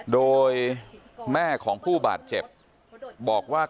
โดยแม่ของผู้บาดเจ็บบอกว่า